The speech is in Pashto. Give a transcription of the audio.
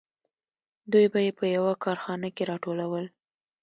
دوی به یې په یوه کارخانه کې راټولول